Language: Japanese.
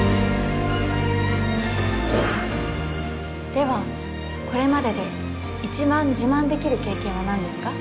ではこれまでで一番自慢できる経験は何ですか？